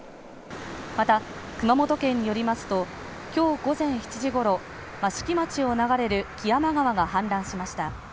また、熊本県によりますと今日午前７時ごろ益城町を流れる木山川が氾濫しました。